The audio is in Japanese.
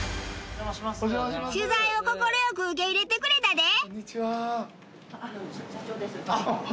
取材を快く受け入れてくれたで！